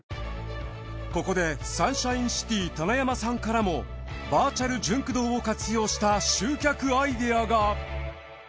ここでサンシャインシティ棚山さんからもバーチャルジュンク堂を活用した集客アイデアが。